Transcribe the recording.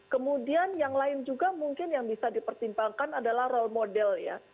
kemudian yang lain juga mungkin yang bisa dipertimbangkan adalah role model ya